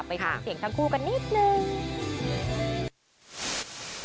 ไปฟังเสียงทั้งคู่กันนิดนึง